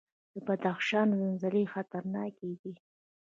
د بدخشان زلزلې خطرناکې دي